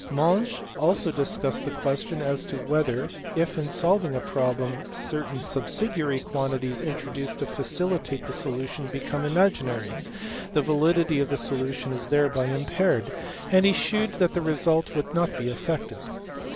Monge also discussed the question as to whether, if in solving a problem certain subsidiary quantities introduced to facilitate the solution become imaginary, the validity of the solution is thereby impaired, and he shewed that the result would not be affected.